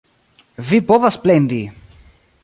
Vi povas plendi!